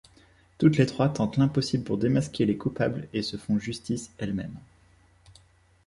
Toutes les trois tentent l'impossible pour démasquer les coupables et se font justice elles-mêmes.